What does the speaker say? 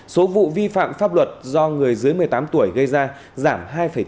số vụ vi phạm pháp luật do người dưới một mươi tám tuổi gây ra giảm hai chín